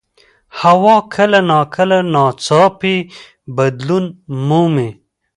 هوا کله ناکله ناڅاپي بدلون مومي